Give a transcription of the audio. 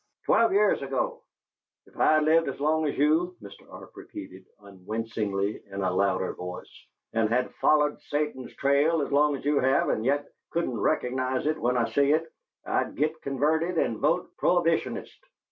"Twelve years ago!" "If I'd lived as long as you," Mr. Arp repeated, unwincingly, in a louder voice, "and had follered Satan's trail as long as you have, and yet couldn't recognize it when I see it, I'd git converted and vote Prohibitionist."